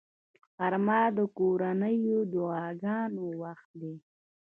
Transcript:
غرمه د کورنیو دعاګانو وخت دی